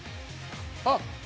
あっ。